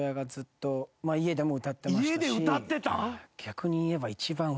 逆に言えば。